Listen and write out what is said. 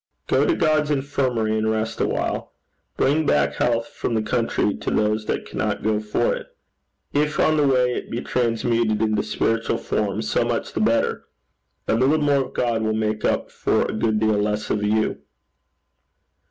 Go to God's infirmary and rest a while. Bring back health from the country to those that cannot go to it. If on the way it be transmuted into spiritual forms, so much the better. A little more of God will make up for a good deal less of you."'